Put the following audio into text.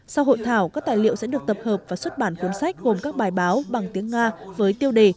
sau hội thảo các tài liệu sẽ được tập hợp và xuất bản cuốn sách gồm các bài báo bằng tiếng nga với tiêu đề